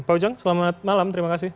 pak ujang selamat malam terima kasih